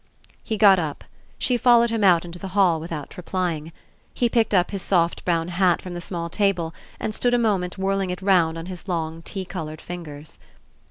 He got up. She followed him out Into the hall without replying. He picked up his soft brown hat from the small table and stood a moment whirling it round on his long tea coloured fingers.